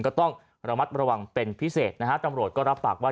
ก็ต้องระมัดระวังเป็นพิเศษนะฮะตำรวจก็รับปากว่า